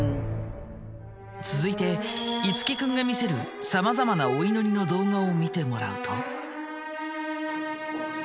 続いて樹君が見せるさまざまなお祈りの動画を見てもらうと。